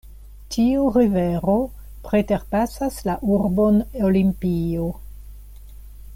Tiu rivero preterpasas la urbon Olimpio.